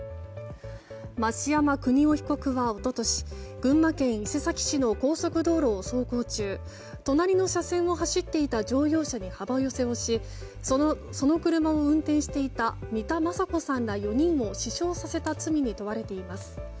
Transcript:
増山邦夫被告は一昨年群馬県伊勢崎市の高速道路を走行中隣の車線を走っていた乗用車に幅寄せをしその車を運転していた三田昌子さんら４人を死傷させた罪に問われています。